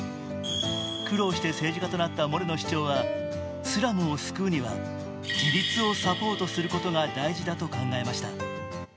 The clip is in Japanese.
苦労して政治家となったモレノ市長は、スラムを救うには自立をサポートすることが大事だと考えました。